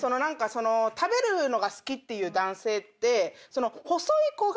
食べるのが好きっていう男性って。